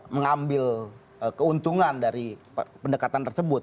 mengambil keuntungan dari pendekatan tersebut